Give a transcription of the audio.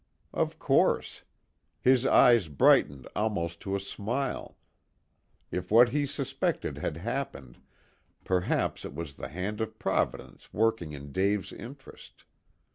Of course. His eyes brightened almost to a smile. If what he suspected had happened, perhaps it was the hand of Providence working in Dave's interest.